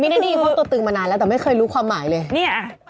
ได้ยินเพราะตัวตึงมานานแล้วแต่ไม่เคยรู้ความหมายเลยเนี่ย